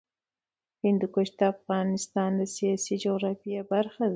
هندوکش د افغانستان د سیاسي جغرافیه برخه ده.